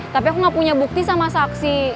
tapi aku nggak punya bukti sama saksi